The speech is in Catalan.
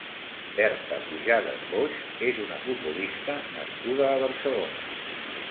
Berta Pujadas Boix és una futbolista nascuda a Barcelona.